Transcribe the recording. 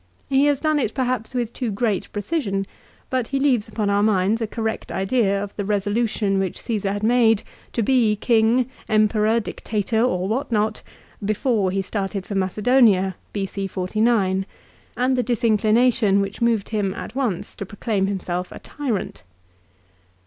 l He has done it perhaps with too great precision, but he leaves upon our minds a correct idea of the resolution which Csesar had made to be King, Emperor, Dictator, or what not, before he started for Macedonia, B.C. 49, 2 and the disinclination which moved him at once to proclaim himself a tyrant.